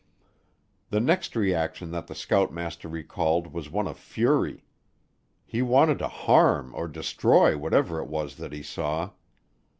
The next reaction that the scoutmaster recalled was one of fury. He wanted to harm or destroy whatever it was that he saw.